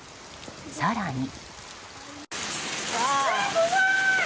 更に。